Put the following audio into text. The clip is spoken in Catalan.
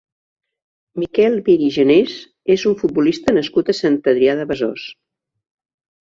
Miquel Mir i Genés és un futbolista nascut a Sant Adrià de Besòs.